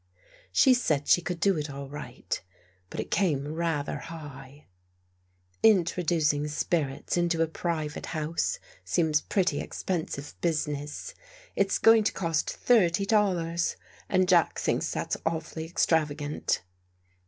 She said she could do it all right, but it came rather high. no FIGHTING THE DEVIL WITH FIRE " Introducing spirits into a private house seems pretty expensive business. It's going to cost thirty dollars. And Jack thinks that's awfully extrava gant."